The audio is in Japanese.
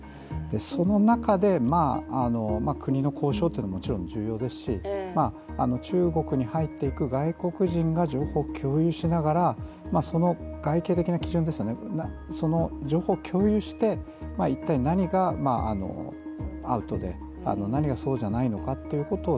その中で、国の交渉っていうのももちろん重要ですし中国に入っていく外国人が情報を共有しながらその基準、情報を共有して一体何がアウトで何がそうじゃないのかっていうのを